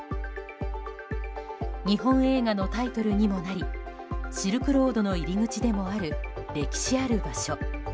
日本映画のタイトルにもなりシルクロードの入り口でもある歴史ある場所。